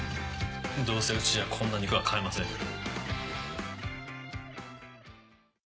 どうせうちじゃこんな肉は買えませんけど。